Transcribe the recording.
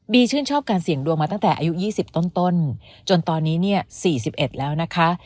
บีชื่นชอบการเสี่ยงดวงมาตั้งแต่อายุยี่สิบต้นต้นจนตอนนี้เนี่ยสี่สิบเอ็ดแล้วนะคะ